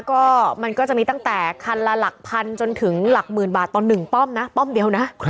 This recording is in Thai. ก็มันก็จะมีตั้งแต่คันละหลักพันจนถึงหลักหมื่นบาทต่อ๑ป้อมนะป้อมเดียวนะ